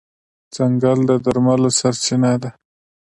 ځنګل د درملو سرچینه ده.